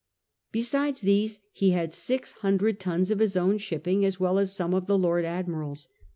Besides these he had six hundred tons of his own ship ping, as well as some of the Lord Admiral's.